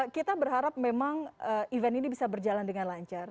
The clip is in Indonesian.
kita berharap memang event ini bisa berjalan dengan lancar